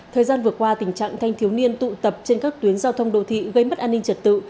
thời gian vừa qua tình trạng thanh thiếu niên tụ tập trên các tuyến giao thông đô thị gây mất an ninh trật tự